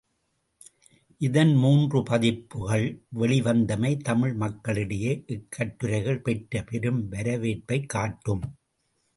இதன் மூன்று பதிப்புகள் வெளிவந்தமை தமிழ் மக்களிடையே இக்கட்டுரைகள் பெற்ற பெரும் வரவேற்பைக் காட்டும்.